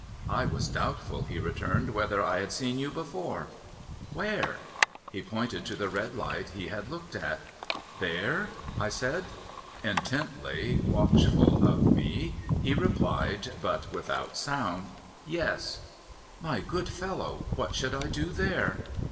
' I was doubtful,' he returned, ' whether I had seen vou before '« Where ?' He pointed to the red light he had looked at. ' There ?' I said. Intently watchful of me, he replied (but without sound), ' Yes.' ' My good fellow, what should I do there